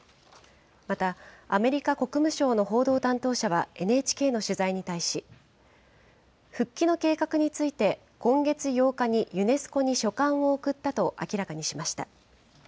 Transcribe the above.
またアメリカ国務省の報道担当者はＮＨＫの取材に対し、復帰の計画について、今月８日にユネスコに書簡を送ったと明らかにしました。